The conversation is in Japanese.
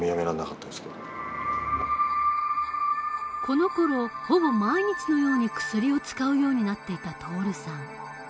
このころほぼ毎日のように薬を使うようになっていた徹さん。